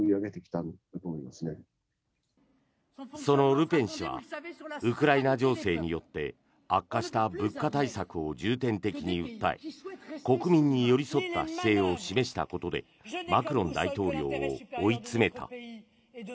そのルペン氏はウクライナ情勢によって悪化した物価対策を重点的に訴え国民に寄り添った姿勢を示したことでマクロン大統領を追い詰めた。